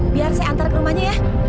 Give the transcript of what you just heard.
biar saya antar ke rumahnya ya